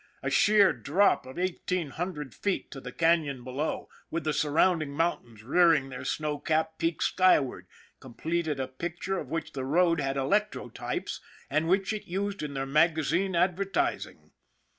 A sheer drop of eighteen hundred feet to the canon below, with the surrounding mountains rearing their snow capped peaks skyward, completed a picture of which the road had electrotypes and which it used in their magazine advertising.